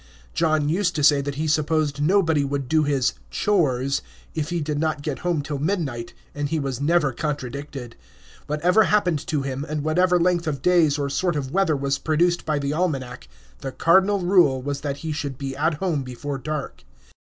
John used to say that he supposed nobody would do his "chores" if he did not get home till midnight; and he was never contradicted. Whatever happened to him, and whatever length of days or sort of weather was produced by the almanac, the cardinal rule was that he should be at home before dark.